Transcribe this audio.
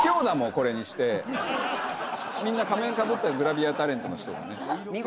みんな仮面かぶったグラビアタレントの人がね。